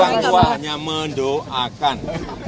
orang tua hanya mendoakan